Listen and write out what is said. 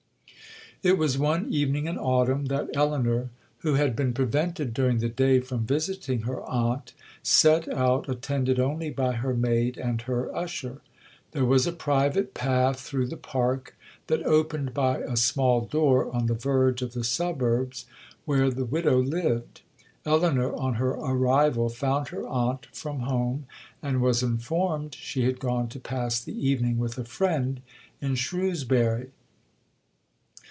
It was one evening in autumn, that Elinor, who had been prevented during the day from visiting her aunt, set out attended only by her maid and her usher. There was a private path through the park, that opened by a small door on the verge of the suburbs where the widow lived. Elinor, on her arrival, found her aunt from home, and was informed she had gone to pass the evening with a friend in Shrewsbury.